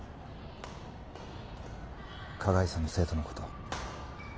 加害者の生徒の事を。